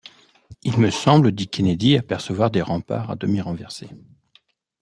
Il me semble, dit Kennedy, apercevoir des remparts à demi renversés.